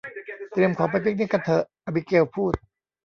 เตรียมของไปปิกนิกกันเถอะ อบิเกลพูด